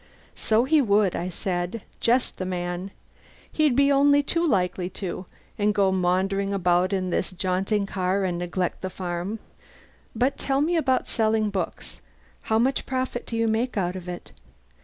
"So he would," I said. "Just the man. He'd be only too likely to and go maundering about in this jaunting car and neglect the farm. But tell me about selling books. How much profit do you make out of it?